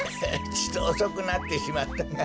ちとおそくなってしまったが。